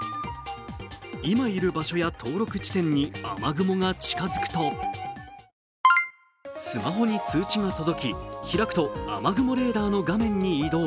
今いる場所や登録地点に雨雲が近づくとスマホに通知が届き、開くと雨雲レーダーの画面に移動。